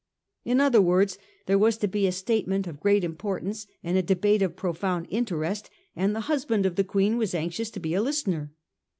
In other words, there was to be a state ment of great importance and a debate of profound interest, and the husband of the Queen was anxious to be a listener.